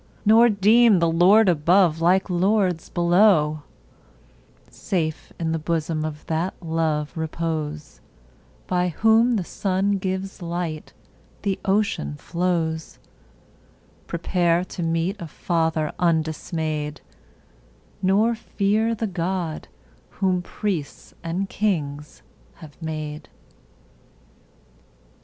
Nor deem the Lord above like lords below; Safe in the bosom of that love repose By whom the sun gives light, the ocean flows; Prepare to meet a Father undismayed, Nor fear the God whom priests and kings have made.